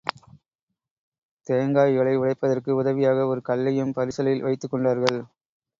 தேங்காய்களை உடைப்பதற்கு உதவியாக ஒரு கல்லையும் பரிசலில் வைத்துக்கொண்டார்கள்.